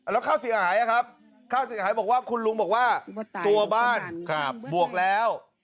แล้วค่าเสียหายครับค่าเสียหายบอกว่าคุณลุงบอกว่าตัวบ้านบวกแล้ว